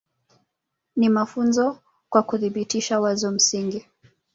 Ni mafunzo kwa kuthibitisha wazo msingi